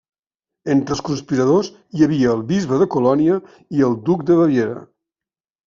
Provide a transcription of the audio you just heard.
Entre els conspiradors hi havia el bisbe de Colònia i el duc de Baviera.